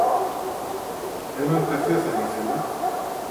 Έναν καφέ θα ήθελα